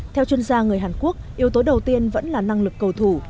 theo chuyên gia người hàn quốc yếu tố đầu tiên vẫn là năng lực cầu thủ